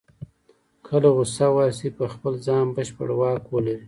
کله غوسه ورشي په خپل ځان بشپړ واک ولري.